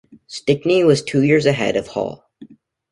Stickney was two years ahead of Hall.